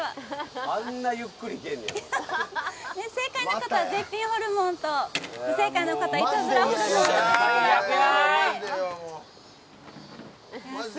正解の方は絶品ホルモンと不正解の方はイタズラホルモンを食べてください。